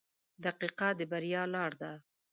• دقیقه د بریا لار ده.